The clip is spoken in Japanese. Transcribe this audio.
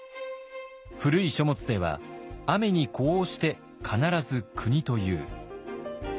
古い書物では「アメ」に呼応して必ず「クニ」と言う。